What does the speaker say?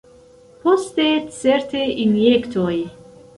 Poste, certe, injektoj.